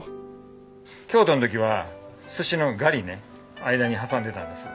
京都の時は寿司のガリね間に挟んでたんです。